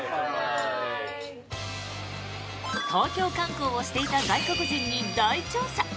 東京観光をしていた外国人に大調査。